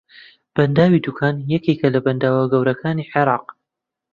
بەنداوی دووکان یەکێکە لە بەنداوە گەورەکانی عێراق